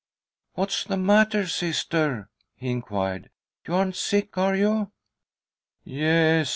"What's the matter, sister?" he inquired. "You aren't sick, are you?" "Yes!"